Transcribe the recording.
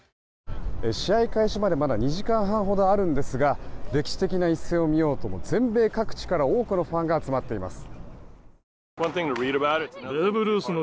試合開始までまだ２時間ほどあるんですが歴史的な一戦を見ようと全米各地から多くのファンが集まっています。